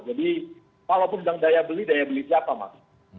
jadi walaupun bilang daya beli daya beli siapa mas